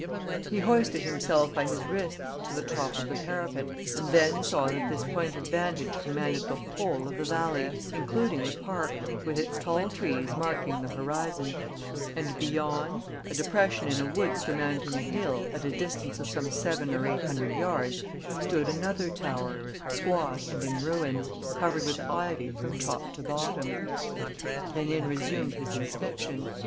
He hoisted himself by his wrists to the top of the parapet and then saw that this point of vantage commanded the whole of the valley, including the park, with its tall trees marking the horizon; and, beyond, a depression in a wood surmounting a hill, at a distance of some seven or eight hundred yards, stood another tower, squat and in ruins, covered with ivy from top to bottom. Rénine resumed his inspection.